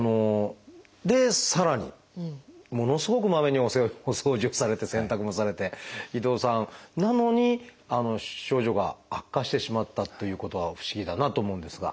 でさらにものすごくまめにお掃除をされて洗濯もされて伊藤さんなのに症状が悪化してしまったということは不思議だなと思うんですが。